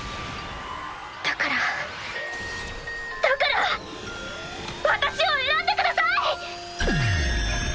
だからだから私を選んでください！